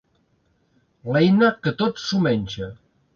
L'eina que tot s'ho menja.